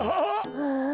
ああ。